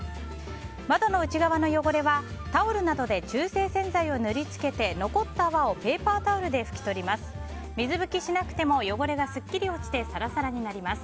窓の内側の汚れはタオルなどで中性洗剤を塗りつけて残った泡をペーパータオルで拭き取ります。